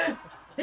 え？